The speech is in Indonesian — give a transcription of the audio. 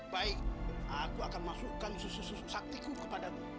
baik aku akan masukkan susu susu saktiku kepadamu